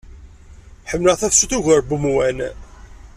Ḥemmleɣ tafsut ugar n wemwan.